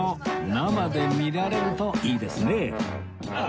生で見られるといいですね